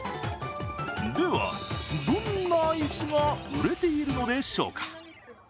では、どんなアイスが売れているのでしょうか？